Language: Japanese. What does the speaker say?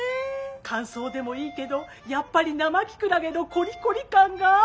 乾燥でもいいけどやっぱり生キクラゲのコリコリ感が。